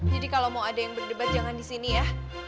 jadi kalau mau ada yang berdebat jangan disini ya